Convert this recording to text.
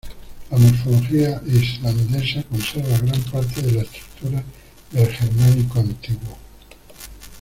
La morfología islandesa conserva gran parte de la estructura del germánico antiguo.